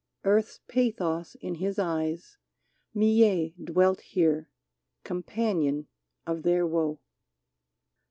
Earth's pathos in his eyes, Millet dwelt here, companion of their woe.